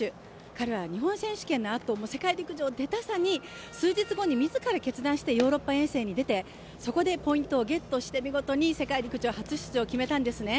彼は日本選手権のあと世界陸上出たさに、数日後に自ら決断して、ヨーロッパ遠征に出て、そこでポイントをゲットして見事に世界陸上初出場を決めたんですね。